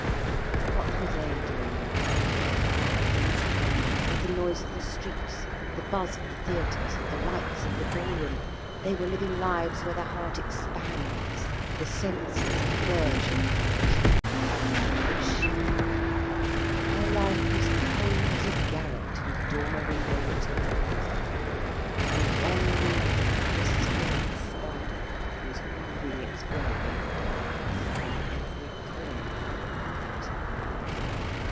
What were they doing now? In town, with the noise of the streets, the buzz of the theatres and the lights of the ballroom, they were living lives where the heart expands, the senses bourgeon out. But she her life was cold as a garret whose dormer window looks on the north, and ennui, the silent spider, was weaving its web in the darkness in every corner of her heart.